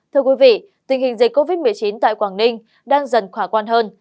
thưa quý vị tình hình dịch covid một mươi chín tại quảng ninh đang dần khả quan hơn